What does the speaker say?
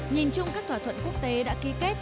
nhìn chung các thỏa thuận quốc tế đã ký kết